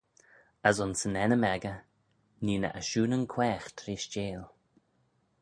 As ayns yn ennym echey, nee ny ashoonyn-quaagh treishteil.